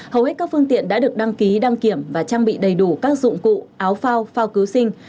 hầu hết các phương tiện đã được đăng ký đăng kiểm và trang bị đầy đủ các dụng cụ áo phao phao cứu sinh